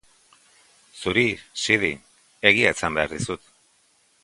Zuri, Sidi, egia esan behar dizut.